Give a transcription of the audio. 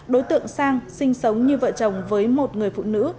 đối tượng sang sinh sống như vợ chồng với một người phụ nữ